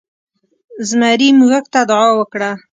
زمري موږک ته دعا وکړه.